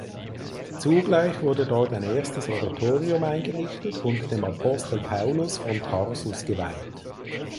Zugleich wurde dort ein erstes Oratorium eingerichtet und dem Apostel Paulus von Tarsus geweiht.